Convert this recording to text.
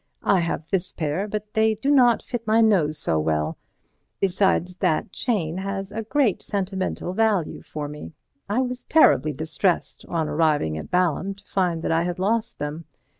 I have this pair, but they do not fit my nose so well—besides, that chain has a great sentimental value for me. I was terribly distressed on arriving at Balham to find that I had lost them.